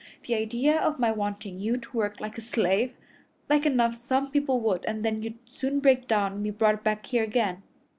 The idea of my wanting you to work like a slave! Like enough some people would, and then you'd soon break down and be brought back here again.